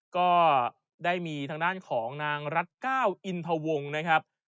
ก็ได้มีทางด้านของนางรัฐก้าวอินทวงนะครับ